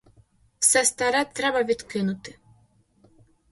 Все старе треба відкинути.